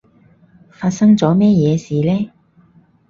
發生咗咩嘢事呢？